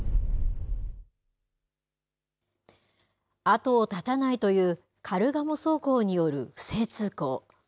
後を絶たないというカルガモ走行による不正通行。